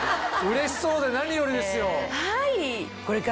うれしそうで何よりですよ。